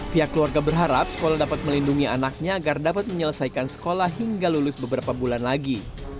pihak keluarga berharap sekolah dapat melindungi anaknya agar dapat menyelesaikan sekolah hingga lulus beberapa bulan lagi